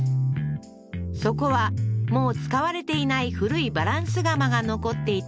そこはもう使われていない古いバランス釜が残っていた